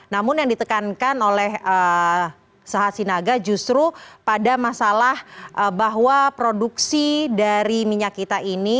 namun yang ditekankan oleh saha sinaga justru pada masalah bahwa produksi dari minyak kita ini